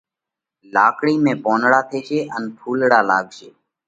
لاڪڙِي ۾ پونَڙا ٿيشي ان ڦُولڙا لاڳشي۔